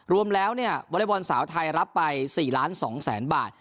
รวมแล้วเนี่ยวลัยบอลสาวไทยรับไป๔๒๐๐๐๐๐บาท